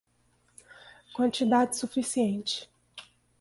Quantidade suficiente